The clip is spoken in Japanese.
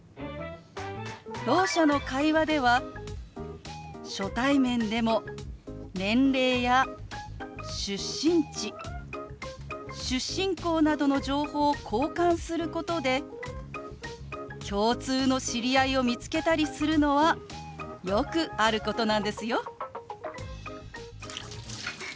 ろう者の会話では初対面でも年齢や出身地出身校などの情報を交換することで共通の知り合いを見つけたりするのはよくあることなんですよ。